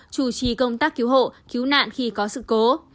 chủ trì công tác cứu hộ cứu nạn khi có sự cố